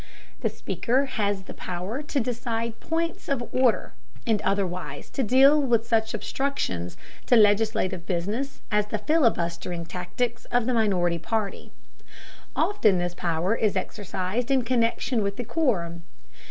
The Speaker has the power to decide points of order, and otherwise to deal with such obstructions to legislative business as the filibustering tactics of the minority party. Often this power is exercised in connection with the quorum.